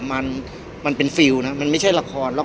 พี่อัดมาสองวันไม่มีใครรู้หรอก